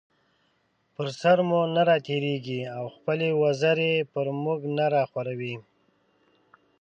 پر سر مو نه راتېريږي او خپلې وزرې پر مونږ نه راخوروي